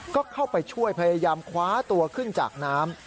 ก็เข้าไปช่วยพยายามคว้าตัวขึ้นจากน้ำ